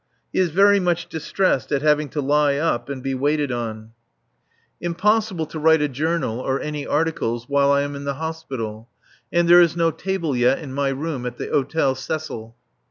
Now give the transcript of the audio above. He is very much distressed at having to lie up and be waited on. Impossible to write a Journal or any articles while I am in the Hospital, and there is no table yet in my room at the Hôtel Cecil.